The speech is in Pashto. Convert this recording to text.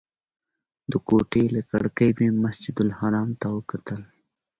د کوټې له کړکۍ مې مسجدالحرام ته وکتل.